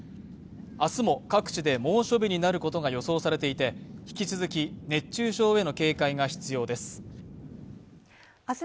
明日も各地で猛暑日になることが予想されていて、引き続き、熱中症への警戒が必要です。